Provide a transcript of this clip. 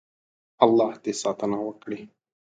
الله دې ساتنه وکړي.